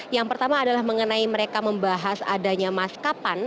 yang pertama adalah mengenai mereka membahas adanya mas kapan